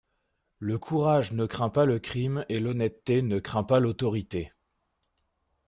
Le courage ne craint pas le crime, et l'honnêteté ne craint pas l'autorité.